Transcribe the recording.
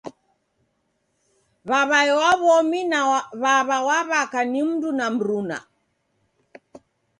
W'aw'ae wa w'omi na w'aw'a wa w'aka ni mndu na mruna.